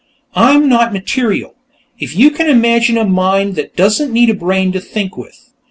"I'm not material. If you can imagine a mind that doesn't need a brain to think with....